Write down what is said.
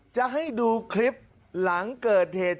จะให้ดูคลิปหลังเกิดเหตุ